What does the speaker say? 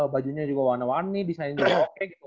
bajunya juga warna warni desain juga oke gitu